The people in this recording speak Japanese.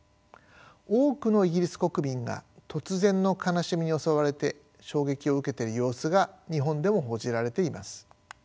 多くのイギリス国民が突然の悲しみに襲われて衝撃を受けている様子が日本でも報じられています。